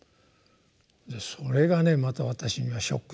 それがねまた私にはショックでね。